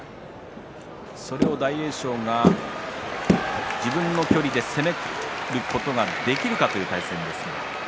大栄翔が自分の距離で攻めることができるかという対戦です。